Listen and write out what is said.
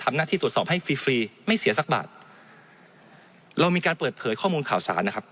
หน้าที่ตรวจสอบให้ฟรีฟรีไม่เสียสักบาทเรามีการเปิดเผยข้อมูลข่าวสารนะครับ